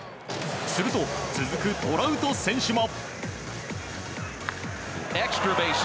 すると、続くトラウト選手も。